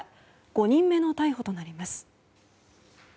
５人目の逮捕となります。